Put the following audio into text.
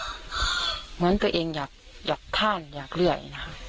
เหมือนตัวเองอยากข้ามอยากเรื่อยนะคะ